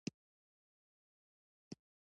د لاهور پر ښار نایل خور و، هوا خړه پړه وه.